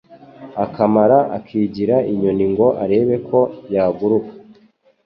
Akamara akigira inyoni ngo arebe ko yaguruka